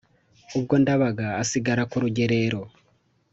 Ubwo Ndabaga asigara ku rugerero,